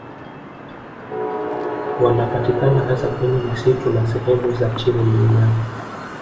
Wanapatikana hasa kwenye misitu na sehemu za chini mlimani